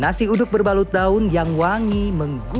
nasi uduk berbalut daun yang terkenal di jawa tenggara